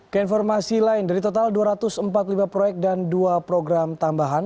keinformasi lain dari total dua ratus empat puluh lima proyek dan dua program tambahan